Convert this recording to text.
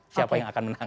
siapa yang akan menang